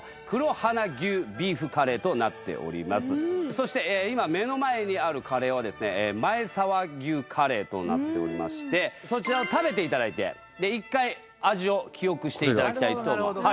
そして今目の前にあるカレーはですね前沢牛カレーとなっておりましてそちらを食べていただいてで一回味を記憶していただきたいと思います